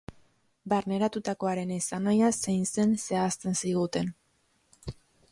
Barneratutakoaren esanahia zein zen zehazten ziguten.